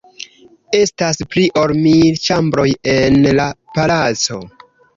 Estas pli ol mil ĉambroj en la palaco.